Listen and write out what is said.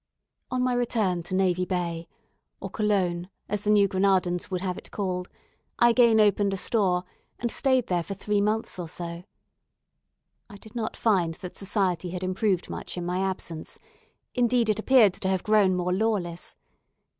On my return to Navy Bay or Colon, as the New Granadans would have it called I again opened a store, and stayed there for three months or so. I did not find that society had improved much in my absence; indeed, it appeared to have grown more lawless.